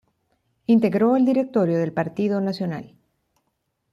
Integró el Directorio del Partido Nacional.